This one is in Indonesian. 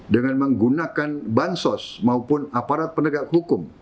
dengan menggunakan bansos maupun aparat penegak hukum